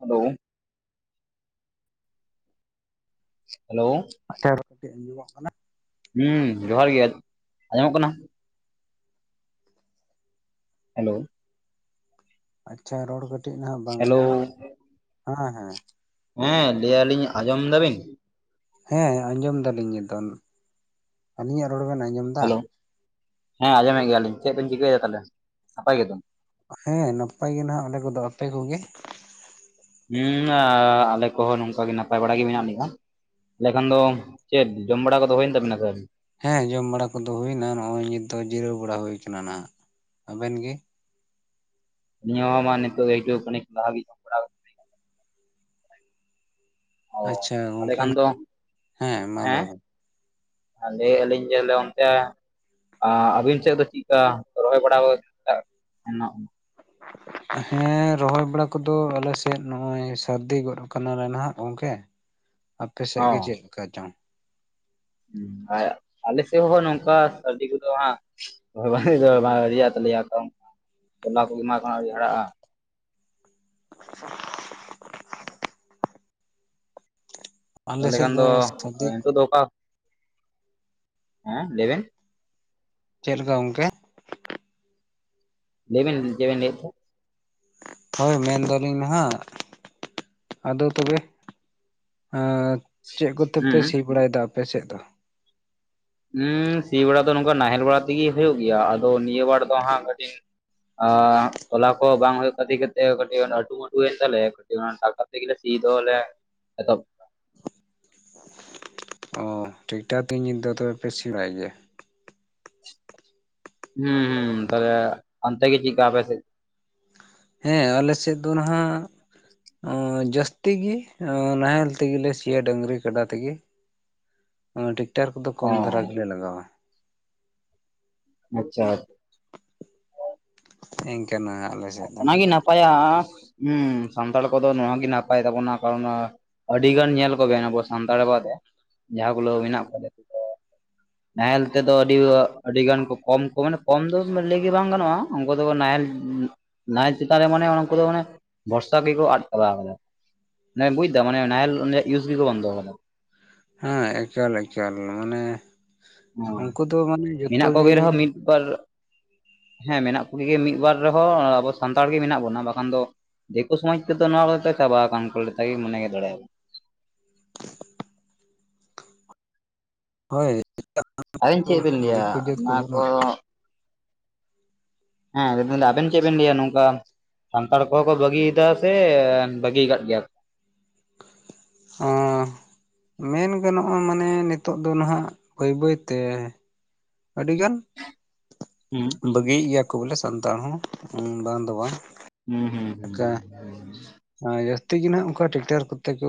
Hello. Hello. [unintelligible] ᱠᱟᱹᱴᱤᱡ ᱟᱸᱡᱚᱢᱚᱜ ᱠᱟᱱᱟ᱾ ᱦᱩᱸ ᱡᱚᱦᱟᱨ ᱜᱮ ᱟᱸᱡᱚᱢᱚᱜ ᱠᱟᱱᱟ? ᱦᱮᱞᱳ᱾ ᱟᱪᱪᱷᱟ ᱨᱚᱲ ᱠᱟᱹᱴᱤᱡ ᱱᱟᱦᱟᱸᱜ ᱵᱟᱝ ᱦᱮᱞᱳ ᱟᱸᱡᱚᱢᱚᱜ ᱠᱟᱱᱟ ᱦᱮᱸ ᱦᱮᱸ᱾ ᱦᱮᱸ ᱞᱟᱹᱭᱭᱟᱞᱤᱧ ᱟᱸᱡᱚᱢ ᱫᱟ ᱵᱤᱱ? ᱦᱮᱸ ᱟᱸᱡᱚᱢ ᱫᱟᱞᱤᱧ ᱧᱤᱛᱚᱝ ᱟᱞᱤᱧᱟᱜ ᱨᱚᱲ ᱵᱮᱱ ᱟᱸᱡᱚᱢ ᱫᱟ? ᱦᱮᱞᱳ ᱦᱮᱸ ᱟᱸᱡᱚᱢᱮᱫ ᱜᱮᱭᱟᱞᱤᱧ ᱪᱮᱫ ᱵᱮᱤᱱ ᱪᱤᱠᱟᱹᱭᱮᱫᱟ, ᱛᱟᱦᱚᱞᱮ ᱱᱟᱯᱟᱭ ᱜᱮᱛᱚ? ᱦᱮᱸ ᱱᱟᱯᱟᱭ ᱜᱮ ᱱᱟᱦᱟᱸᱜ ᱟᱞᱮ ᱠᱚᱫᱚ, ᱟᱯᱮ ᱠᱚᱜᱮ? ᱦᱩᱸ ᱟ ᱟᱞᱮ ᱠᱚᱦᱚᱸ ᱱᱚᱝᱠᱟᱟᱜᱮ ᱱᱟᱯᱟᱭ ᱵᱟᱲᱟ ᱜᱮ ᱢᱮᱱᱟᱜ ᱞᱮᱭᱟ᱾ ᱛᱟᱦᱮᱞᱮ ᱠᱷᱟᱱ ᱫᱚ ᱪᱮᱫ ᱡᱚᱢ ᱵᱟᱲᱟ ᱠᱚᱫᱚ ᱦᱩᱭᱮᱱ ᱛᱟᱵᱤᱱᱟ ᱥᱮ ᱟᱣᱨᱤ? ᱦᱮᱸ ᱡᱚᱢ ᱵᱟᱲᱟ ᱠᱚᱫᱚ ᱦᱩᱭᱱᱟ ᱱᱚᱭᱚᱭ ᱱᱤᱛ ᱫᱚ ᱡᱤᱨᱟᱹᱣ ᱵᱟᱲᱟ ᱦᱩᱭ ᱠᱟᱱᱟ ᱱᱟᱱᱟᱜ, ᱟᱵᱮᱱ ᱜᱮ? ᱱᱤᱭᱟᱹ ᱦᱚᱸ ᱢᱟ ᱱᱤᱛᱚᱜ ᱟᱹᱭᱠᱟᱹᱜ ᱠᱷᱟᱱᱤᱠ ᱞᱟᱦᱟ ᱦᱟᱵᱤᱡ ᱚ ᱟᱪᱪᱷᱟ ᱛᱟᱦᱚᱞᱮ ᱜᱚᱝᱠᱮ ᱠᱷᱟᱱ ᱫᱚ, ᱢᱟ ᱞᱟᱹᱭ ᱦᱮᱸ? ᱵᱮᱱ ᱞᱟᱹᱭᱮᱫ ᱟᱞᱤᱧ ᱡᱮ ᱚᱱᱛᱮ ᱟᱸ ᱟᱵᱤᱱ ᱥᱮᱫ ᱫᱚ ᱪᱮᱫᱠᱟ ᱨᱚᱦᱚᱭ ᱵᱟᱲᱟ [unintelligible] ᱥᱮᱱᱚᱜ ᱦᱮᱸ ᱨᱚᱦᱚᱭ ᱵᱟᱲᱟ ᱠᱚᱫᱚ ᱟᱞᱮᱥᱮᱫ ᱱᱚᱭᱚᱭ ᱥᱟᱹᱨᱫᱤ ᱜᱚᱫᱽ ᱟᱠᱟᱱᱟᱞᱮ ᱱᱟᱦᱟᱜ ᱜᱚᱝᱠᱮ᱾ [inaudible] ᱟᱯᱮ ᱥᱮᱫ ᱜᱮ ᱪᱮᱫ ᱞᱮᱠᱟ ᱪᱚᱝ? ᱩᱸ ᱟᱜ ᱟᱞᱮ ᱥᱮᱫ ᱦᱚᱸ ᱱᱚᱝᱠᱟ ᱥᱟᱹᱨᱫᱤ ᱠᱚᱫᱚ ᱦᱟᱸᱜ, ᱨᱚᱦᱚᱭ ᱫᱚ ᱵᱟᱝ ᱟᱣᱨᱤᱭᱟ ᱛᱟᱞᱮᱭᱟ ᱜᱚᱢᱠᱮ, ᱛᱚᱞᱟ ᱠᱚᱜᱮ ᱦᱟᱸᱜ ᱟᱣᱨᱤ ᱦᱟᱨᱟᱜᱼᱟ᱾ [inaudible] ᱟᱞᱮ ᱛᱟᱦᱚᱞᱮ ᱥᱮᱫ ᱠᱷᱟᱱ ᱫᱚ ᱥᱟᱹᱨᱫᱤ ᱱᱤᱛᱚᱜᱜ ᱫᱚ ᱚᱠᱟ, ᱦᱮᱸ ᱞᱟᱹᱭᱵᱮᱱ? ᱪᱮᱫ ᱞᱮᱠᱟ ᱜᱚᱝᱠᱮ᱾ ᱞᱟᱹᱭᱵᱮᱱ ᱪᱮᱫ ᱵᱮᱮᱱ ᱞᱟᱹᱭᱮᱫ ᱛᱟᱦᱮᱸᱫ᱾ ᱦᱳᱭ ᱢᱮᱱᱫᱟᱞᱤᱧ ᱱᱟᱦᱟᱸᱜ ᱟᱫᱚ ᱛᱚᱵᱮ ᱟᱻ ᱪᱮᱫ ᱠᱚᱛᱮᱯᱮ ᱦᱩᱸ ᱥᱤ ᱵᱟᱲᱟᱭ ᱫᱟ ᱟᱯᱮᱥᱮᱫ ᱫᱚ? ᱦᱩᱸ ᱥᱤ ᱵᱟᱲᱟ ᱫᱚ ᱱᱚᱝᱠᱟ ᱱᱟᱦᱮᱞ ᱵᱟᱲᱟ ᱛᱮᱜᱮ ᱦᱩᱭᱩᱜᱭᱳ ᱜᱮᱭᱟ ᱟᱫᱚ ᱱᱤᱭᱟᱹ ᱵᱮᱟᱲ ᱫᱚ ᱦᱟᱸᱜ ᱠᱟᱹᱴᱤᱡ ᱟᱸᱜ ᱛᱚᱞᱟ ᱠᱚ ᱵᱟᱝ ᱦᱩᱭᱩᱜ ᱠᱷᱟᱹᱛᱤᱨ ᱠᱟᱛᱮ ᱠᱟᱹᱴᱤᱡ ᱟᱹᱴᱩᱢᱟᱹᱴᱩᱭᱮᱱ ᱛᱟᱞᱮᱭᱟ ᱠᱟᱹᱴᱤᱡ ᱴᱟᱠᱴᱟᱨ ᱛᱮᱜᱮ ᱥᱤ ᱫᱚᱞᱮ ᱮᱛᱚᱦᱚᱵ ᱚ ᱴᱷᱤᱠᱴᱷᱟᱠ ᱛᱤᱧ ᱧᱤᱫᱟᱹ ᱛᱚᱵᱮ ᱯᱮ ᱥᱮᱲᱟᱭ ᱜᱮᱭᱟ? ᱦᱩᱸ ᱦᱩᱸ ᱛᱟᱦᱚᱞᱮ ᱚᱱᱛᱮ ᱜᱮ ᱪᱮᱜᱠᱟ ᱟᱯᱮ ᱥᱮᱫ ᱦᱮᱸ ᱟᱞᱮᱥᱮᱫ ᱫᱚ ᱱᱟᱦᱟᱸᱜ ᱟᱸ ᱡᱟᱹᱥᱛᱤ ᱜᱤ ᱟᱹ ᱱᱟᱦᱮᱞ ᱛᱤᱜᱤᱞᱮ ᱥᱤᱭᱟ ᱰᱟᱝᱨᱤ ᱠᱟᱰᱟ ᱛᱤᱜᱤ᱾ [inaudible] ᱟᱸ ᱴᱮᱠᱴᱟᱨ ᱠᱚᱫᱚ ᱚ ᱠᱚᱢ ᱫᱷᱟᱨᱟ ᱜᱮᱞᱮ ᱞᱟᱜᱟᱣᱟ᱾ ᱟᱪᱪᱷᱟ᱾ ᱮᱝᱠᱟᱱᱟᱹ ᱟᱞᱮ ᱥᱮᱫ ᱫᱚ ᱚᱱᱟᱜᱮ ᱜᱚᱝᱠᱮ᱾ ᱱᱟᱯᱟᱭᱟ ᱟᱸᱥ ᱥᱟᱱᱛᱟᱲ ᱠᱚᱫᱚ ᱱᱚᱣᱟᱣᱟᱜ ᱜᱮ ᱱᱟᱯᱟᱭ ᱛᱟᱵᱚᱱᱟ, ᱠᱟᱨᱚᱱ ᱟᱹᱰᱤᱜᱟᱱ ᱧᱮᱞ ᱠᱚᱵᱮᱱ ᱟᱵᱚ ᱥᱟᱱᱛᱟᱲ ᱵᱫᱮ ᱡᱟᱦᱟᱸ ᱜᱩᱞᱳᱹ ᱢᱮᱱᱟᱜ ᱠᱚᱣᱟ ᱡ ᱫᱚ ᱱᱟᱦᱮᱞ ᱛᱮᱫᱚ ᱟᱹᱰᱤ ᱟᱹᱰᱤ ᱜᱟᱱ ᱠᱚ ᱠᱚᱢ ᱠᱚ ᱢᱟᱱᱮ ᱠᱚᱢ ᱫᱚ ᱞᱟᱹᱭ ᱜᱮ ᱵᱟᱝ ᱜᱟᱱᱚᱜᱼᱟ ᱩᱱᱠᱩ ᱫᱚᱠᱚ ᱱᱟᱦᱮᱞ ᱱᱟᱦᱮᱞ ᱪᱮᱛᱟᱱ ᱨᱮ ᱢᱟᱱᱮ ᱚᱱᱠᱩᱫᱚ ᱢᱟᱱᱮ ᱵᱷᱚᱨᱥᱟ ᱜᱮᱠᱚ ᱟᱫ ᱪᱟᱵᱟ ᱠᱟᱫᱟ ᱢᱟᱱᱮ ᱵᱩᱡᱽ ᱫᱟᱢ ᱢᱟᱱᱮ ᱱᱟᱦᱮᱞ ᱚᱱᱮ ᱤᱭᱩᱡ ᱜᱮᱠᱚ ᱵᱚᱱᱫᱚ ᱣᱟᱠᱟᱫᱟ ᱦᱮᱸ ᱮᱠᱟᱞ ᱮᱠᱟᱞ ᱢᱟᱱᱮ ᱩᱱᱠᱩ ᱫᱚ ᱢᱟᱱᱮ ᱡᱚᱛᱚ ᱜᱮ ᱢᱤᱫᱵᱟᱨ ᱦᱮᱸ ᱢᱮᱱᱟᱜ ᱠᱩᱜᱤ ᱜᱮ ᱢᱤᱫ ᱵᱟᱨ ᱨᱮᱦᱚᱸ ᱟᱵᱚ ᱥᱟᱱᱛᱟᱲ ᱜᱮ ᱢᱮᱱᱟᱜ ᱵᱚᱱᱟ ᱵᱟᱠᱷᱟᱱ ᱫᱚ ᱫᱤᱠᱩ ᱥᱚᱢᱟᱡᱽ ᱛᱮᱫᱚ ᱱᱚᱣᱟ ᱪᱟᱵᱟ ᱟᱠᱟᱱ [unintelligible] ᱢᱚᱱᱮ ᱜᱮ ᱫᱟᱲᱮᱭᱟᱜᱵ [unintelligible] ᱦᱳᱭ ᱟᱵᱮᱱ ᱪᱮᱫ ᱵᱮᱱ ᱞᱟᱹᱭᱟ ᱫᱤᱠᱩ ᱡᱟᱹᱛ ᱱᱚᱣᱟ ᱠᱚᱫᱚ ᱠᱚ ᱦᱟᱸ ᱦᱮᱸ ᱟᱵᱮᱱ ᱪᱮᱜᱵᱮᱱ ᱞᱟᱹᱭᱟ ᱱᱚᱝᱠᱟ ᱥᱟᱱᱛᱟᱲ ᱠᱚᱦᱚᱸ ᱠᱚ ᱵᱟᱹᱜᱤᱭᱮᱫᱟ ᱥᱮ ᱵᱟᱹᱜᱤ ᱠᱟᱫ ᱜᱮᱭᱟ ᱠᱚ [unintelligible] ᱢᱮᱱ ᱜᱟᱱᱚᱜᱼᱟ ᱢᱟᱱᱮ ᱱᱤᱛᱚᱜ ᱫᱚ ᱱᱟᱦᱟᱜ ᱵᱟᱹᱭ ᱵᱟᱹᱭᱛᱮ ᱟᱹᱰᱤ ᱜᱟᱱ ᱦᱩᱸ ᱵᱟᱹᱜᱤᱭᱮᱜ ᱜᱮᱭᱟ ᱠᱚ ᱵᱚᱞᱮ ᱥᱟᱱᱛᱟᱲ ᱦᱚᱸ ᱵᱟᱝ ᱫᱚ ᱵᱟᱝ ᱦᱩᱸ ᱦᱩᱸ ᱦᱩᱸ ᱡᱟᱹᱥᱛᱤ ᱜᱮ ᱱᱟᱸᱜ ᱚᱱᱠᱟ ᱴᱮᱠᱴᱟᱨ ᱠᱚᱛᱮ ᱠᱚ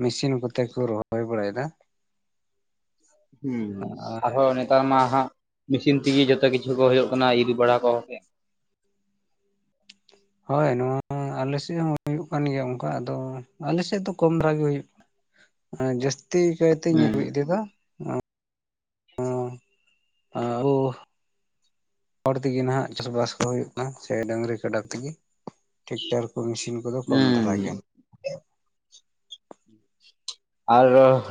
ᱢᱮᱥᱤᱱ ᱠᱚᱛᱮᱠᱚ ᱨᱚᱦᱚᱭ ᱵᱟᱲᱟᱭᱮᱫᱟ ᱦᱩᱸ ᱟᱨ ᱟᱨᱦᱚᱸ ᱱᱮᱛᱟᱨ ᱢᱟ ᱦᱟᱸᱜ ᱢᱮᱥᱤᱱ ᱛᱤᱜᱤ ᱡᱚᱛᱚ ᱠᱤᱪᱷᱩ ᱠᱚ ᱦᱩᱭᱩᱜ ᱠᱟᱱᱟ ᱤᱨ ᱵᱟᱲᱟ ᱠᱚ [unintelligible] ᱦᱳᱭ ᱱᱚᱣᱟ ᱟᱞᱮᱥᱮᱜ ᱦᱚᱸ ᱦᱩᱭᱩᱜ ᱠᱟᱱ ᱜᱮᱭᱟ ᱚᱱᱠᱟ ᱟᱫᱚ ᱟᱞᱮᱥᱮᱜ ᱫᱚ ᱠᱚᱢ ᱫᱷᱟᱨᱟ ᱜᱮ ᱦᱩᱭᱩᱜ ᱠᱟᱱᱟ ᱡᱟᱹᱥᱛᱤ ᱠᱟᱭᱛᱤᱧ ᱦᱩᱸ ᱦᱩᱭ ᱤᱫᱤᱭ ᱫᱟᱜ [unintelligible] ᱦᱚᱲ ᱛᱮᱜᱮ ᱱᱟᱦᱟᱜ ᱪᱟᱥᱵᱟᱥ ᱠᱚ ᱦᱩᱭᱩᱜ ᱠᱟᱱᱟ ᱥᱮ ᱰᱟᱹᱟᱝᱨᱤ ᱠᱟᱰᱟᱠ ᱛᱮᱜᱮ ᱴᱮᱠᱴᱟᱨ ᱠᱚ ᱢᱮᱥᱤᱱ ᱠᱚᱫᱚ ᱠᱚᱢ ᱦᱩᱸ ᱫᱷᱟᱨᱟ ᱜᱮᱭᱟ ᱟᱨ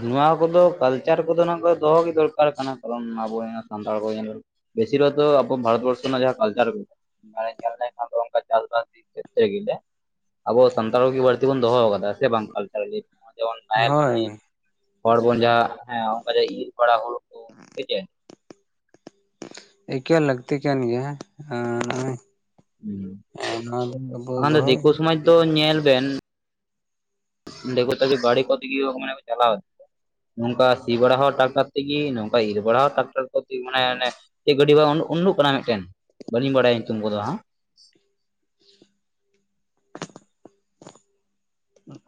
ᱱᱚᱣᱟ ᱠᱚᱫᱚ ᱠᱟᱞᱪᱟᱨ ᱠᱚᱫᱚ ᱱᱚᱣᱟ ᱠᱚ ᱫᱚᱦᱚ ᱜᱮ ᱫᱚᱨᱠᱟᱨ ᱠᱟᱱᱟ ᱠᱟᱨᱚᱱ ᱟᱵᱚ ᱥᱟᱱᱛᱟᱲ ᱠᱚ ᱧᱮᱞᱮᱞ ᱵᱮᱥᱤᱨ ᱵᱷᱟᱜ ᱟᱵᱚ ᱵᱷᱟᱨᱚᱛ ᱵᱚᱨᱥᱚ ᱨᱮᱱᱟᱜ ᱡᱟᱦᱟᱸ ᱠᱟᱞᱪᱟᱨ ᱠᱚ ᱵᱟᱭ ᱧᱮᱞ ᱞᱮᱱᱠᱷᱟᱱ [unintelligible] ᱟᱵᱚ ᱥᱟᱱᱛᱟᱲ ᱠᱚᱜᱮ ᱵᱟᱹᱲᱛᱤ ᱵᱚᱱ ᱫᱚᱦᱚ ᱠᱟᱫᱟ ᱥᱮ ᱵᱟᱝ ᱠᱟᱞᱪᱟᱨ ᱫᱤᱠ ᱫᱤᱭᱮ ᱱᱚᱭᱚ ᱡᱮᱢᱚᱱ ᱱᱟᱦᱮᱞ ᱥᱤ ᱦᱳᱭ ᱦᱚᱲ ᱵᱚᱱ ᱡᱟᱦᱟᱸ ᱦᱮᱸ ᱚᱱᱠᱟ ᱤᱨ ᱵᱟᱲᱟ ᱦᱳᱲᱳᱠᱚ ᱥᱮ ᱪᱮᱫ ᱮᱠᱟᱞ ᱞᱟᱹᱠᱛᱤ ᱠᱟᱱ ᱜᱮᱭᱟ ᱦᱩᱸ ᱦᱮᱸ ᱱᱚᱣᱟ ᱫᱚ ᱟᱵᱚ ᱵᱟᱠᱷᱟᱱ ᱫᱚ ᱫᱚᱦᱚᱭ ᱫᱤᱠᱩ ᱥᱚᱢᱟᱡᱽ ᱫᱚ ᱧᱮᱞ ᱵᱮᱱ [unintelligible] ᱱᱚᱝᱠᱟ ᱥᱤ ᱵᱟᱲᱟ ᱦᱚᱸ ᱴᱨᱟᱠᱴᱟᱨ ᱛᱮᱜᱤ ᱱᱚᱝᱠᱟ ᱤᱨ ᱵᱟᱲ ᱦᱚᱸ ᱴᱨᱟᱠᱴᱟᱨ ᱠᱚᱛᱮ ᱢᱟᱱᱮ ᱚᱱᱮ ᱪᱮᱫ ᱜᱟᱹᱰᱤ ᱵᱟᱝ ᱩᱰᱩᱜ ᱠᱟᱱᱟ ᱢᱤᱫᱴᱮᱱ ᱵᱟᱹᱞᱤᱧ ᱵᱟᱲᱟᱭᱟ ᱧᱩᱛᱩᱢ ᱠᱚᱫᱚ ᱦᱟᱸᱜ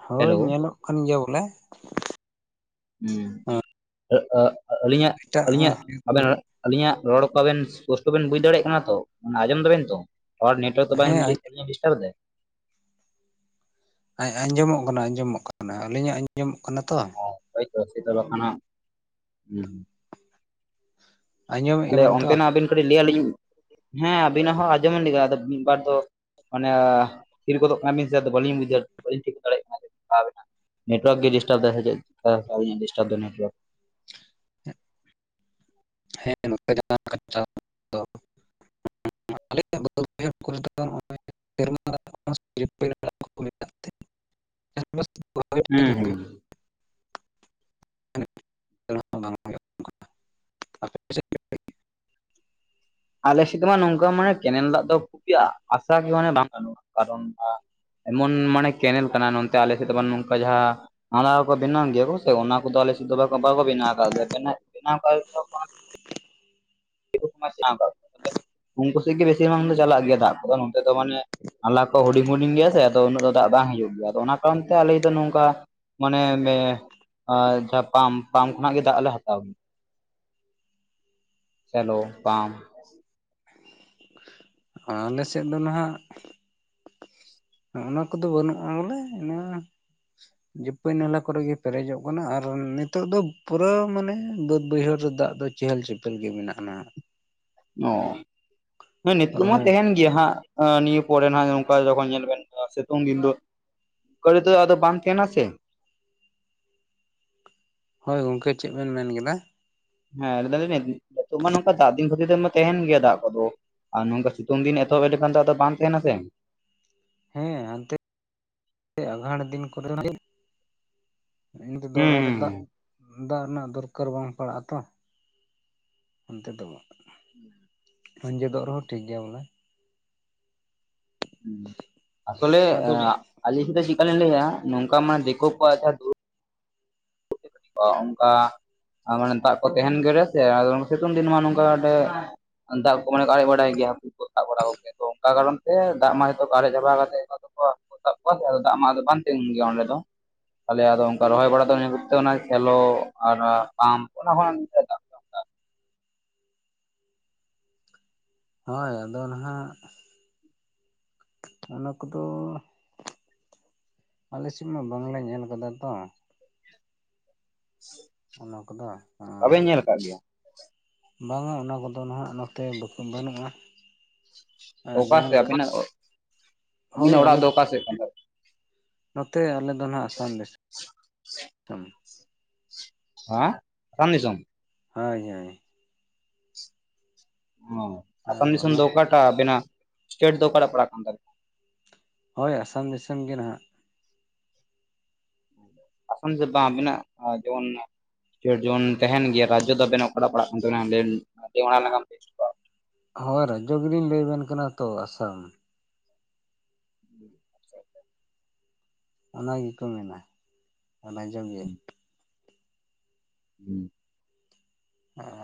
ᱦᱳᱭ ᱦᱮᱞᱳ ᱧᱮᱞᱚᱜ ᱠᱟᱱ ᱜᱮᱭᱟ ᱵᱚᱞᱮ ᱟᱹᱞᱤᱧᱟᱜ ᱮᱴᱟᱜ ᱟᱹᱞᱤᱧᱟᱜ ᱟᱵᱮᱱ ᱟᱞᱤᱧᱟᱜ ᱨᱚᱲ ᱠᱚ ᱟᱵᱮᱱ ᱯᱩᱥᱴᱟᱹ ᱵᱮᱱ ᱵᱩᱡ ᱫᱟᱲᱮᱭᱟᱜ ᱠᱟᱱᱟ ᱛᱚ ᱟᱸᱡᱚᱢ ᱫᱟᱵᱮᱱ ᱛᱚ ᱱᱮᱴᱣᱟᱨᱠ ᱛᱚ ᱵᱟᱭ ᱦᱮᱸ ᱰᱤᱥᱴᱟᱵ ᱫᱟ ᱟᱸᱡᱚᱢᱚᱜ ᱠᱟᱱᱟ ᱟᱸᱡᱚᱢᱚᱜ ᱠᱟᱱᱟ ᱟᱹᱞᱤᱧᱟᱜ ᱟᱸᱡᱚᱢᱚᱜ ᱠᱟᱱᱟ ᱛᱚ ᱦᱳᱭ ᱛᱚ ᱥᱮ ᱛᱚ ᱵᱟᱝᱠᱷᱟᱱ ᱦᱟᱸ ᱟᱸᱡᱚᱢᱮᱫ ᱛᱟᱦᱞᱮ ᱜᱮᱭᱟᱵᱮᱱ ᱛᱚ ᱚᱱᱛᱮᱱᱟᱜ ᱟᱵᱤᱱ ᱠᱟᱹᱴᱤᱡ ᱞᱟᱹᱭᱟᱞᱤᱧ [inaudible] ᱦᱮᱸ ᱟᱵᱤᱱᱟᱜ ᱦᱚᱸ ᱟᱸᱡᱚᱢ ᱟᱞᱤᱧ ᱟᱫᱚ ᱢᱤᱫᱵᱟᱨ ᱫᱚ ᱢᱟᱱᱮ ᱛᱷᱤᱨ ᱜᱚᱫᱚᱜ ᱠᱟᱱᱟᱵᱤᱱ ᱥᱮ ᱵᱟᱞᱤᱧ ᱵᱩᱡᱷᱟᱹᱣ ᱵᱟᱹᱞᱤᱧ ᱴᱷᱤᱠᱟ ᱫᱟᱲᱮᱭᱟᱜ ᱠᱟᱱᱟ [unintelligible] ᱱᱮᱴᱣᱟᱨᱠ ᱜᱮ ᱰᱤᱥᱴᱟᱨᱵᱫᱟᱭ ᱥᱮ ᱪᱮᱫ ᱟᱹᱞᱤᱧᱟᱜ ᱜᱮ ᱰᱤᱥᱴᱟᱨᱵ ᱫᱟᱭ ᱱᱮᱴᱣᱟᱨᱠ [unintelligible] [unintelligible] [unintelligible] ᱴᱷᱤᱠ ᱜᱮ ᱦᱩᱭᱩᱜ ᱦᱩᱸᱦᱩ [unintelligible] ᱟᱞᱮᱥᱮᱫᱢᱟ ᱱᱚᱝᱠᱟ ᱢᱟᱱᱮ ᱠᱮᱱᱮᱞ ᱫᱟᱜ ᱫᱚ ᱠᱷᱩᱵ ᱟᱥᱟ ᱜᱮ ᱢᱟᱱᱮ ᱵᱟᱝ ᱜᱟᱱᱚᱜᱼᱟ ᱠᱟᱨᱚᱱ ᱮᱢᱚᱱ ᱢᱟᱱᱮ ᱠᱮᱱᱮᱞ ᱠᱟᱱᱟ ᱱᱚᱛᱮ ᱟᱞᱮᱥᱮᱫ ᱡᱮᱢᱚᱱ ᱱᱚᱝᱠᱟ ᱡᱟᱦᱟᱸ ᱱᱟᱞᱟ ᱠᱚ ᱵᱮᱱᱟᱣ ᱜᱮᱭᱟ ᱠᱚ ᱚᱱᱟ ᱠᱚᱫᱚ ᱟᱞᱮᱥᱮᱫ ᱫᱚ ᱵᱟᱠᱚ ᱵᱮᱱᱟᱣ ᱠᱟᱫ ᱞᱮᱭᱟ ᱵᱮᱱᱟᱣ ᱟᱠᱟᱫ [unintelligible] ᱩᱱᱠᱩ ᱥᱮᱡ ᱜᱮ ᱵᱮᱥᱤᱨ ᱵᱷᱟᱜ ᱫᱚ ᱪᱟᱞᱟᱜ ᱜᱮᱭᱟ ᱫᱟᱜ ᱠᱚᱫᱚ ᱱᱚᱛᱮ ᱫᱚ ᱢᱟᱱᱮ ᱱᱟᱞᱟ ᱠᱚ ᱦᱩᱰᱤᱧ ᱦᱩᱰᱤᱧ ᱜᱮᱭᱟ ᱥᱮ ᱟᱫᱚ ᱩᱱᱟᱹᱜ ᱫᱚ ᱫᱟᱜ ᱵᱟᱝ ᱦᱤᱡᱩᱜ ᱜᱮᱭᱟ, ᱚᱱᱟ ᱠᱟᱨᱚᱱ ᱛᱮ ᱟᱞᱮ ᱫᱚ ᱱᱚᱝᱠᱟ ᱢᱟᱱᱮ ᱡᱟᱦᱟᱸ ᱯᱟᱢᱯ ᱯᱟᱢ ᱠᱷᱚᱱᱟᱜ ᱜᱮ ᱫᱟᱜ ᱞᱮ ᱦᱟᱛᱟᱣ ᱪᱟᱞᱳ ᱯᱟᱢ ᱟᱞᱮ ᱥᱮᱫ ᱫᱚ ᱱᱟᱜ ᱚᱱᱟ ᱠᱚᱫᱚ ᱵᱟᱹᱱᱩᱜᱼᱟ ᱵᱚᱞᱮ ᱤᱱᱟᱹ ᱡᱟᱹᱯᱟᱹᱭ ᱱᱟᱞᱟ ᱠᱚᱨᱮ ᱜᱮ ᱯᱮᱨᱮᱡᱚᱜ ᱠᱟᱱᱟ ᱟᱨ ᱱᱤᱛᱚᱜ ᱫᱚ ᱯᱩᱨᱟᱹ ᱢᱟᱱᱮ ᱵᱟᱹᱫ ᱵᱟᱹᱭᱦᱟᱹᱲ ᱨᱮ ᱫᱟᱜ ᱫᱚ ᱪᱮᱦᱮᱞ ᱪᱮᱯᱮᱞ ᱜᱮ ᱢᱮᱱᱟᱜᱼᱟᱱᱟᱜ ᱚ, ᱱᱤᱛ ᱢᱟ ᱨᱚᱦᱚᱭ ᱛᱟᱦᱮᱸᱱ ᱜᱮ ᱤᱭᱟᱹ ᱦᱟᱸᱜ ᱱᱤᱭᱟᱹ ᱯᱚᱨᱮ ᱱᱟᱜ ᱱᱚᱝᱠᱟ ᱡᱚᱠᱷᱚᱱ ᱧᱮᱞ ᱵᱮᱱ ᱥᱤᱛᱩᱝ ᱫᱤᱱ ᱫᱚ ᱚᱱᱠᱟ ᱛᱚ ᱟᱫᱚ ᱵᱟᱝ ᱛᱟᱦᱮᱸᱱᱟ ᱥᱮ᱾ ᱦᱳᱭ ᱜᱚᱝᱠᱮ ᱪᱮᱫ ᱵᱮᱱ ᱢᱮᱱ ᱠᱮᱫᱟ? ᱦᱮᱸ ᱞᱟᱹᱭ [unintelligible] ᱱᱚᱝᱠᱟ ᱫᱟᱜ ᱫᱤᱱ ᱠᱷᱟᱹᱛᱤᱨ ᱛᱮᱢᱟ ᱛᱟᱦᱮᱸᱱ ᱜᱮᱭᱟ ᱫᱟᱜ ᱠᱚᱫᱚ ᱟᱨ ᱱᱚᱝᱠᱟ ᱥᱤᱛᱩᱝ ᱫᱤᱱ ᱮᱛᱚᱦᱚᱵ ᱞᱮᱠᱷᱟᱱ ᱫᱚ ᱟᱫᱚ ᱵᱟᱝ ᱛᱟᱦᱮᱱᱟ ᱥᱮ ᱦᱮᱸ ᱦᱟᱱᱛᱮ ᱟᱸᱜᱷᱟᱲ ᱫᱤᱱ ᱠᱚᱨᱮ ᱤᱱᱟᱹ ᱛᱮᱫᱚ ᱦᱩᱸ ᱟᱨ ᱫᱟᱜ ᱦᱩᱸ ᱫᱟᱜ ᱨᱮᱱᱟᱜ ᱫᱚᱨᱠᱟᱨ ᱵᱟᱝ ᱯᱟᱲᱟᱜᱼᱟ ᱛᱚ, ᱚᱱᱛᱮ ᱫᱚ ᱦᱟᱸᱡᱮᱫᱚᱜ ᱨᱮᱦᱚᱸ ᱴᱷᱤᱠ ᱜᱮᱭᱟ ᱵᱚᱞᱮ᱾ ᱟᱥᱚᱞᱮ ᱟᱫᱚ ᱟᱞᱤᱧ ᱫᱚ ᱪᱮᱠᱟᱞᱤᱧ ᱞᱟᱹᱭᱟ ᱱᱚᱝᱠᱟ ᱢᱟᱱᱮ ᱫᱤᱠᱩ ᱠᱚ ᱟᱪᱪᱷᱟ ᱫᱩᱵ ᱚ ᱚᱱᱠᱟ ᱟᱨ ᱢᱟᱱᱮ ᱫᱟᱜ ᱠᱚ ᱛᱟᱦᱮᱸᱱ ᱜᱮ ᱨᱮ ᱥᱮ ᱥᱤᱛᱩᱝ ᱫᱤᱱ ᱢᱟ ᱱᱚᱝᱠᱟ ᱫᱟᱜ ᱠᱚ ᱢᱚᱱᱮ [unintelligible] ᱵᱟᱰᱟᱭ ᱜᱮᱭᱟ ᱠᱚ ᱥᱟᱵ ᱵᱟᱲᱟ ᱠᱚᱜᱮᱭᱟ ᱛᱚ ᱚᱱᱠᱟ ᱠᱟᱨᱚᱱ ᱛᱮ ᱫᱟᱜ ᱢᱟ ᱱᱤᱛᱚᱜ ᱟᱨᱮᱡ ᱪᱟᱵᱟᱣ ᱠᱟᱛᱮ ᱛᱚᱠᱚ ᱥᱟᱵ ᱠᱚᱣᱟ ᱟᱫᱚ ᱫᱟᱜ ᱢᱟ ᱟᱫᱚ ᱵᱟᱝ ᱛᱤᱸᱜᱩᱱ ᱜᱮᱭᱟ ᱚᱸᱰᱮ ᱫᱚ ᱛᱟᱦᱚᱞᱮ ᱟᱫᱚ ᱚᱱᱠᱟ ᱨᱚᱦᱚᱭ ᱵᱟᱲᱟ ᱫᱚ ᱚᱱᱟ ᱥᱮᱞᱳ ᱟᱨ ᱯᱟᱢᱯ ᱚᱱᱟ ᱠᱷᱟᱱ ᱫᱟᱜ ᱦᱳᱭ ᱟᱫᱚ ᱱᱟᱦᱟᱜ ᱚᱱᱟ ᱠᱚᱫᱚ ᱟᱞᱮᱥᱮᱫ ᱢᱟ ᱵᱟᱝᱞᱮ ᱧᱮᱞ ᱠᱟᱫᱟ ᱛᱚ᱾ [unintelligible] ᱚᱱᱟ ᱠᱚᱫᱚ ᱟ ᱻ ᱠᱟᱜ ᱜᱮᱭᱟ ᱵᱟᱝᱟ ᱚᱱᱟ ᱠᱚᱫᱚ ᱱᱟᱦᱟᱜ ᱱᱚᱛᱮ ᱵᱟᱠᱚ ᱵᱟᱹᱱᱩᱜᱼᱟ᱾ ᱟᱨ ᱚᱠᱟ ᱡᱟᱦᱟᱸ ᱥᱮᱫ ᱞᱮᱠᱟ ᱟᱹᱵᱤᱱᱟᱜ ᱦᱳᱭ ᱟᱹᱵᱤᱱᱟᱜ ᱚᱲᱟᱜ ᱟᱞᱮ ᱫᱚ ᱚᱠᱟ ᱥᱮᱫ ᱠᱟᱱ ᱛᱟᱵᱤᱱᱟ ᱱᱚᱛᱮ ᱟᱞᱮ ᱫᱚ ᱦᱟᱜ ᱟᱥᱟᱢ ᱫᱤᱥᱚᱢ᱾ ᱦᱟ ᱟᱥᱟᱢ ᱫᱤᱥᱚᱢ ᱦᱟᱭ ᱦᱳᱭ ᱚ ᱟᱥᱟᱢ ᱟᱨ ᱫᱤᱥᱚᱢ ᱚᱱᱟ ᱫᱚ ᱚᱠᱟᱴᱟᱜ ᱟᱵᱤᱱᱟᱜ ᱥᱴᱮᱴ ᱫᱚ ᱚᱠᱟᱴᱟᱜ ᱯᱟᱲᱦᱟᱜ ᱠᱟᱱ ᱛᱟᱵᱤᱱᱟ? ᱦᱳᱭ ᱟᱥᱟᱢ ᱫᱤᱥᱚᱢ ᱜᱮ ᱱᱟᱦᱟᱜ᱾ ᱟᱥᱚᱱ ᱫᱚ ᱵᱟᱝ ᱟᱵᱤᱱᱟᱜ ᱡᱮᱢᱚᱱ ᱪᱚ ᱡᱚᱱ ᱛᱟᱦᱮᱸᱱ ᱜᱮᱭᱟ ᱨᱟᱡᱽᱡᱚ ᱟᱵᱮᱱᱟᱜ ᱚᱠᱟᱴᱟᱜ ᱯᱟᱲᱟᱜ ᱠᱟᱱ ᱛᱟᱵᱮᱱᱟ? [unintelligible] ᱦᱳᱭ ᱨᱟᱡᱽᱡᱚ ᱜᱮᱞᱤᱧ ᱞᱟᱹᱭ ᱟᱵᱮᱱ ᱠᱟᱱᱟ ᱛᱚ ᱟᱥᱟᱢ᱾ [unintelligible] ᱚᱱᱟ ᱜᱮᱠᱚ ᱢᱮᱱᱟ ᱨᱟᱡᱽᱡᱚ ᱜᱮ᱾ ᱦᱩᱸ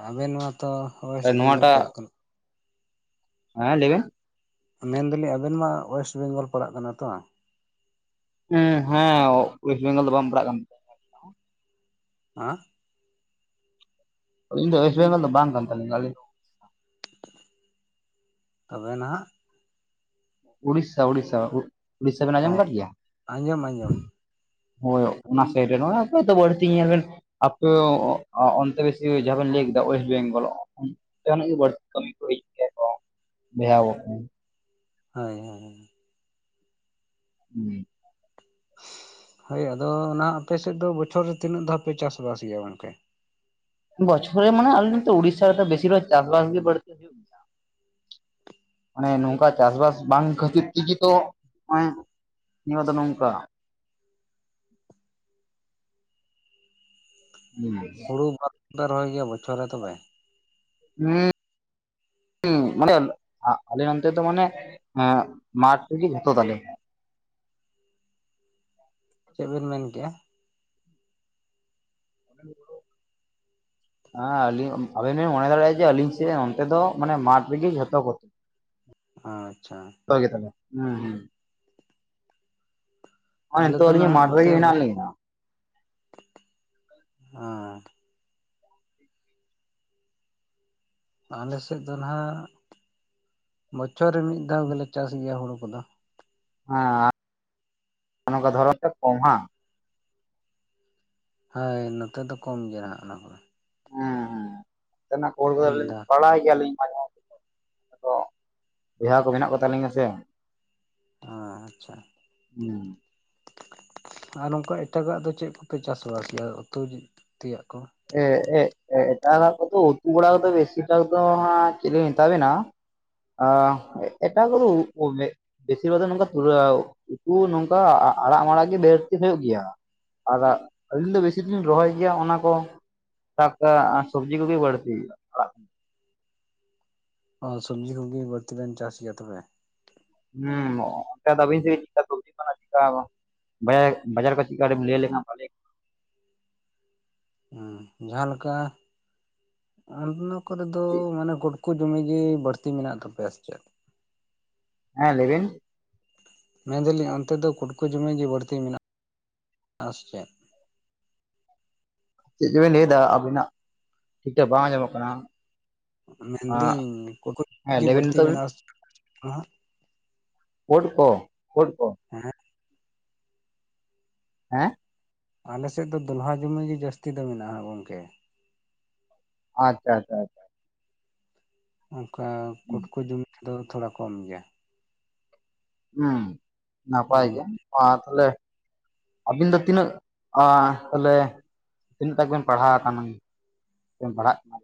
ᱟᱵᱮᱱ ᱢᱟᱛᱚ ᱚᱭᱮᱥᱴ ᱵᱮᱝᱜᱚᱞ ᱯᱟᱲᱟᱜ ᱠᱟᱱᱟ᱾ ᱦᱟᱸ ᱞᱟᱹᱭᱵᱮᱱ᱾ ᱢᱮᱱᱫᱟᱞᱤᱧ ᱟᱵᱮᱱ ᱢᱟ ᱚᱭᱮᱥᱴ ᱵᱮᱝᱜᱚᱞ ᱯᱟᱲᱟᱜ ᱠᱟᱱᱟ ᱛᱚ? ᱦᱩᱸ ᱦᱮᱸ ᱚᱭᱮᱥᱴ ᱵᱮᱝᱜᱚᱞ ᱫᱚ ᱵᱟᱝ ᱯᱟᱲᱟᱜ ᱠᱟᱱ᱾ ᱦᱟᱸ? ᱤᱧ ᱫᱚ ᱚᱭᱮᱥᱴ ᱵᱮᱝᱜᱚᱞ ᱫᱚ ᱵᱟᱝᱠᱟᱱ ᱛᱟᱞᱤᱧᱟ᱾ ᱛᱚᱵᱮ ᱱᱟᱦᱟᱜ? ᱩᱲᱤᱥᱥᱟ, ᱩᱲᱤᱥᱥᱟ, ᱩᱲᱤᱥᱥᱟ ᱵᱮᱱ ᱦᱳᱭ ᱟᱸᱡᱚᱢ ᱟᱠᱟᱫ ᱜᱮᱭᱟ? ᱟᱸᱡᱚᱢ ᱟᱸᱡᱚᱢ ᱦᱳᱭ ᱚᱱᱟ ᱥᱟᱭᱤᱰ ᱨᱮ ᱱᱚᱜᱼᱚᱭ ᱛᱚ ᱵᱟᱹᱲᱛᱤ ᱧᱮᱞ ᱵᱮᱱ ᱟᱯᱮ ᱚᱱᱛᱮ ᱵᱮᱥᱤ ᱡᱟᱦᱟᱸ ᱵᱮᱱ ᱞᱟᱹᱭ ᱠᱮᱫᱟ ᱳᱭᱮᱥᱴ ᱵᱮᱝᱜᱚᱞ᱾ ᱡᱟᱦᱱᱟᱜ ᱜᱮ ᱵᱟᱹᱲᱛᱤ ᱠᱟᱹᱢᱤ ᱠᱚ ᱦᱮᱡ ᱜᱮᱭᱟ ᱠᱚ ᱵᱮᱦᱟ ᱟᱠᱟᱱᱟ᱾ ᱦᱳᱭ ᱦᱳᱭᱻ ᱦᱩᱸ᱾ ᱦᱳᱭ ᱟᱫᱚ ᱚᱱᱟ ᱟᱯᱮ ᱥᱮᱫ ᱫᱚ ᱵᱚᱪᱷᱚᱨ ᱨᱮ ᱛᱤᱱᱟᱹᱜ ᱫᱷᱟᱣ ᱯᱮ ᱪᱟᱥᱵᱟᱥ ᱜᱮᱭᱟ ᱜᱚᱝᱠᱮ? ᱵᱚᱪᱷᱚᱨ ᱨᱮ ᱢᱟᱱᱮ ᱟᱞᱮ ᱱᱚᱛᱮ ᱩᱲᱤᱥᱥᱟ ᱨᱮᱫᱚ ᱵᱮᱥᱤᱨᱟᱜ ᱪᱟᱥ ᱵᱟᱥ ᱜᱮ ᱵᱟᱹᱲᱛᱤ᱾ [unintelligible] ᱢᱟᱱᱮ ᱱᱚᱝᱠᱟ ᱪᱟᱥᱵᱟᱥ ᱵᱟᱝ ᱠᱷᱟᱹᱛᱤᱨ ᱛᱮᱜᱮ ᱛᱚ ᱦᱚᱜᱼᱚᱭ, ᱱᱤᱭᱟᱹᱵᱟᱨ ᱫᱚ ᱱᱚᱝᱠᱟ᱾ ᱦᱩᱸ᱾ ᱛᱤᱱ [unintelligible] ᱨᱚᱦᱚᱭ ᱜᱮᱭᱟ ᱵᱚᱪᱷᱚᱨ ᱨᱮ ᱛᱚᱵᱮ? ᱦᱮᱸ᱾ ᱦᱩᱸ ᱢᱟᱱᱮ ᱟᱞᱮ ᱱᱚᱱᱛᱮ ᱫᱚ ᱢᱟᱱᱮ ᱢᱟᱴᱷ ᱨᱮᱜᱮ ᱡᱷᱚᱛᱚ ᱛᱟᱞᱮ᱾ ᱪᱮᱫ ᱵᱮᱱ ᱢᱮᱱᱠᱮᱜᱼᱟ? [inaudible] ᱦᱮᱸ ᱟᱞᱤᱧ ᱟᱵᱮᱱ ᱵᱮᱱ ᱢᱚᱱᱮ ᱫᱟᱲᱮᱭᱟᱜᱼᱟ, ᱡᱮ ᱟᱞᱤᱧ ᱥᱮᱫ ᱚᱱᱛᱮ ᱫᱚ ᱢᱟᱱᱮ ᱢᱟᱴᱷ ᱨᱮᱜᱮ ᱡᱷᱚᱛᱚ ᱠᱚᱛᱮ᱾ [inaudible] ᱟᱪᱪᱷᱟ᱾ ᱛᱚ ᱜᱮᱛᱟᱞᱮ ᱦᱩᱸ ᱦᱩᱸ᱾ ᱦᱩᱸ ᱱᱚᱜᱼᱚᱭ ᱟᱞᱮ ᱱᱤᱛᱚᱜ ᱫᱚ ᱟᱹᱞᱤᱧ ᱱᱟᱦᱜ ᱢᱟᱴᱷ ᱨᱮᱜᱮ ᱱᱚᱛᱮ ᱦᱮᱱᱟᱜ ᱵᱚᱪᱷᱚᱨ ᱞᱤᱧᱟ [unintelligible] ᱦᱮᱸ᱾ ᱟᱞᱮᱥᱮᱫ ᱫᱚ ᱱᱟᱦᱟᱜ ᱵᱚᱪᱷᱚᱨ ᱨᱮ ᱢᱤᱫ ᱫᱷᱟᱣ ᱜᱮᱞᱮ ᱪᱟᱥ ᱜᱮᱭᱟ ᱦᱩᱲᱩ ᱠᱚᱫᱚ᱾ ᱦᱮᱸ ᱚᱱᱠᱟ ᱫᱷᱚᱨᱚᱱ ᱨᱮ ᱠᱚᱢ ᱦᱟᱝ? ᱦᱳᱭ ᱱᱚᱛᱮ ᱫᱚ ᱠᱚᱢ ᱜᱮᱭᱟ ᱱᱟᱦᱟᱜ ᱚᱱᱟ ᱠᱚᱫᱚ᱾ ᱛᱮᱱᱟᱜ ᱠᱷᱚᱵᱚᱨ ᱠᱚ ᱫᱚ ᱢᱤᱫ ᱞᱤᱧ ᱫᱷᱟᱣ ᱵᱟᱲᱟᱭ ᱜᱮᱭᱟ ᱞᱤᱧ᱾ ᱟᱭᱢᱟ ᱛᱚ ᱵᱚᱭᱦᱟ ᱠᱚ ᱢᱮᱱᱟᱜ ᱠᱚ ᱛᱟᱞᱤᱧᱟ ᱥᱮ᱾ ᱟᱻᱪᱪᱷᱟ᱾ ᱦᱩᱸ᱾ ᱟᱨ ᱱᱚᱝᱠᱟ ᱮᱴᱟᱜᱟᱜ ᱫᱚ ᱪᱮᱫ ᱠᱚᱯᱮ ᱪᱟᱥᱵᱟᱥ ᱠᱮᱭᱟ ᱩᱛᱩ ᱛᱮᱭᱟᱜ ᱠᱚ? ᱮ, ᱮ, ᱮᱴᱟᱜᱟᱜ ᱠᱚᱫᱚ ᱩᱛᱩ ᱵᱟᱲᱟ ᱠᱚᱫᱚ ᱵᱮᱥᱤ ᱵᱷᱟᱜ ᱫᱚ ᱦᱟᱸᱜ ᱪᱮᱫ ᱞᱤᱧ ᱢᱮᱛᱟᱵᱮᱱᱟ ᱟ, ᱮᱴᱟ ᱠᱚᱫᱚ ᱵᱮᱥᱤᱨ ᱵᱷᱟᱜᱽ ᱫᱚ ᱱᱚᱝᱠᱟ ᱛᱩᱨᱟᱣ ᱩᱛᱩ ᱱᱚᱝᱠᱟ ᱟ, ᱟᱲᱟᱜ ᱢᱟᱲᱟᱜ ᱜᱮ ᱵᱟᱹᱲᱛᱤ ᱦᱩᱭᱩᱜ ᱜᱮᱭᱟ᱾ ᱟᱨᱟᱜ ᱟᱹᱞᱤᱧ ᱫᱚ ᱵᱮᱥᱤ ᱫᱚ ᱞᱤᱧ ᱨᱚᱦᱚᱭ ᱜᱮᱭᱟ ᱚᱱᱟ ᱠᱚ ᱴᱟᱠᱟ ᱥᱚᱵᱽᱡᱤ ᱠᱚᱜᱮ ᱵᱟᱲᱛᱤ ᱟᱲᱟᱜ ᱠᱷᱚᱱ, ᱚ ᱥᱚᱵᱽᱡᱤ ᱠᱚᱜᱮ ᱵᱟᱹᱲᱛᱤ ᱵᱮᱱ ᱪᱟᱥ ᱜᱮᱭᱟ ᱛᱚᱵᱮ? ᱦᱩᱸ᱾ [unintelligible] ᱵᱟᱡ ᱵᱟᱡᱟᱨ ᱠᱚ ᱪᱮᱜᱠᱟ ᱠᱟᱴᱤᱢ ᱞᱟᱹᱭ ᱞᱮ ᱠᱷᱟᱱ ᱵᱷᱟᱞᱮ ᱩᱸ ᱡᱟᱦᱟᱸ ᱞᱮᱠᱟ ᱚᱱᱟ ᱠᱚᱨᱮ ᱫᱚ ᱠᱚᱜᱼᱟ? ᱢᱟᱱᱮ ᱜᱳᱰ ᱠᱩ ᱫᱚᱢᱮ ᱜᱮ ᱵᱟᱹᱲᱛᱤ ᱢᱮᱱᱟᱜ ᱛᱟᱯᱮᱭᱟ ᱥᱮ ᱪᱮᱫ? ᱦᱮᱸ ᱞᱟᱹᱭᱵᱤᱱ᱾ ᱢᱮᱱ ᱫᱟᱞᱤᱧ ᱚᱱᱛᱮ ᱫᱚ ᱠᱩᱴᱠᱩ ᱡᱚᱢᱤ ᱜᱮ ᱵᱟᱹᱲᱛᱤ ᱢᱮᱱᱟᱜᱼᱟ ᱥᱮ ᱪᱮᱫ? ᱪᱮᱫ ᱪᱚᱵᱤᱱ ᱞᱟᱹᱭᱮᱫᱟ ᱟᱵᱤᱱᱟᱜ ᱴᱷᱤᱠ ᱴᱷᱟᱠ ᱵᱟᱝ ᱟᱸᱡᱚᱢᱚᱜ ᱠᱟᱱᱟ᱾ ᱟᱸ ᱢᱮᱱᱫᱤᱹᱧ [unintelligible] ᱦᱮᱸ ᱜᱮ ᱞᱟᱹᱭ ᱵᱤᱱ ᱵᱟᱹᱲᱛᱤ ᱱᱤᱛᱚᱜ ᱢᱮᱱᱟᱜᱼᱟ ᱦᱟᱸᱜ? ᱠᱳᱰ ᱠᱚ ᱠᱳᱰ ᱠᱚ ᱦᱮᱸ ᱦᱮᱸ ᱟᱞᱮ ᱥᱮᱫ ᱫᱚᱞᱦᱟ ᱡᱩᱢᱤ ᱜᱮ ᱡᱟᱹᱥᱛᱤ ᱫᱚ ᱢᱮᱱᱟᱜᱼᱟ ᱜᱚᱝᱠᱮ ᱟᱪᱪᱷᱟ ᱟᱪᱪᱷᱟ ᱟᱪᱪᱷᱟ ᱚᱱᱠᱟ ᱠᱩᱴᱠᱚ ᱡᱩᱢᱤ ᱠᱚᱫᱚ ᱛᱷᱚᱲᱟ ᱠᱚᱢ ᱜᱮᱭᱟ ᱦᱩᱸ ᱱᱟᱯᱟᱭ ᱫᱚᱞᱦᱟ ᱜᱮ ᱢᱟ ᱛᱟᱦᱞᱮ ᱟᱹᱵᱤᱱ ᱫᱚ ᱛᱤᱱᱟᱹᱜ ᱟ [unintelligible] ᱛᱤᱱᱟᱹᱜ ᱛᱚᱠ ᱵᱤᱱ ᱯᱟᱲᱦᱟᱣ ᱟᱠᱟᱱᱟ ᱥᱮᱢ ᱯᱟᱲᱦᱟᱜ ᱠᱟᱱᱟ